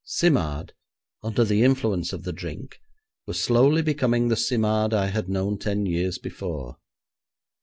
Simard, under the influence of the drink, was slowly becoming the Simard I had known ten years before.